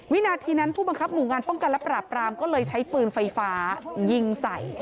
วินาทีนั้นผู้บังคับหมู่งานป้องกันและปราบรามก็เลยใช้ปืนไฟฟ้ายิงใส่